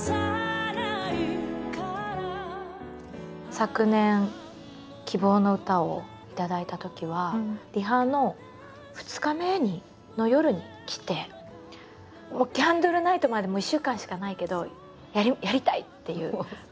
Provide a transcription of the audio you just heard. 昨年「希望のうた」を頂いたときはリハの２日目の夜に来て「ＣＡＮＤＬＥＮＩＧＨＴ」まで１週間しかないけどやりたいっていう。